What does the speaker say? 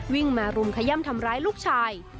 วิ่งมารุมขย่ำทำร้ายลูกชาย